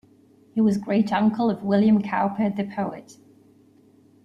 He was great uncle of William Cowper, the poet.